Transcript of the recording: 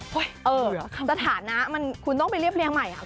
สถานะมันคุณต้องไปเรียบเรียงใหม่